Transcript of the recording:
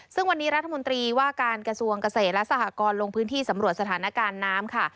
ซึ่งวันนี้รัฐมนตรีว่าการกระทรวงเกษตรและสหกรณ์ลงพื้นที่สำรวจสถานการณ์น้ำค่ะ